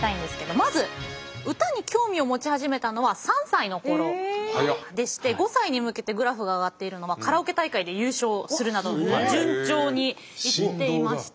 まず歌に興味を持ち始めたのは３歳の頃でして５歳に向けてグラフが上がっているのはカラオケ大会で優勝するなど順調にいっていました。